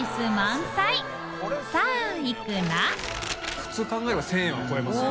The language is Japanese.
普通考えれば１０００円は超えますよ。